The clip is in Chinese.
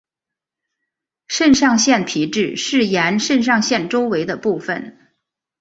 肾上腺皮质是沿肾上腺周围的部分。